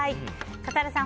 笠原さん